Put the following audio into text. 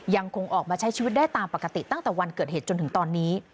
ยังคงออกมาใช้ชีวิตได้ตามปกติตั้งแต่วันเกิดเหตุจนถึงตอนนี้